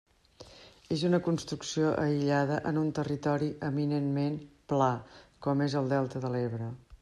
És una construcció aïllada en un territori eminentment pla com és el delta de l'Ebre.